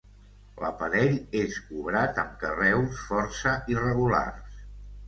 L'aparell és obrat amb carreus força irregulars.